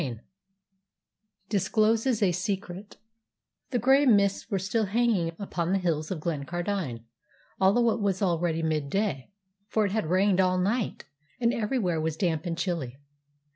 CHAPTER XXXV DISCLOSES A SECRET The grey mists were still hanging upon the hills of Glencardine, although it was already midday, for it had rained all night, and everywhere was damp and chilly.